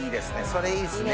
それいいですね。